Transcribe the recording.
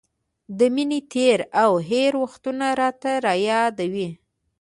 د مینې تېر او هېر وختونه راته را یادوي.